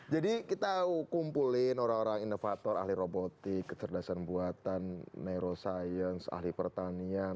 jadi kita kumpulin orang orang innovator ahli robotik kecerdasan buatan neuroscience ahli pertanian